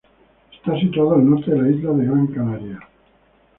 Está situado al norte de la isla de Gran Canaria.